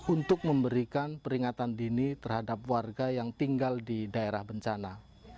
untuk memberikan peringatan dini terhadap warga yang tinggal di daerah bencana